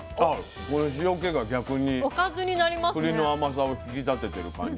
この塩気が逆にくりの甘さを引き立ててる感じ。